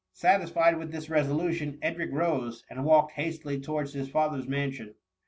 Satisfied with this resolution, Edric rose and walked hastily towards his father^s mansion, 78 THE MUMMY.